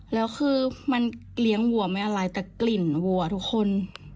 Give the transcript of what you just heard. แล้วคือมันเลี้ยงวัวไม่อะไรแต่กลิ่นวัวทุกคน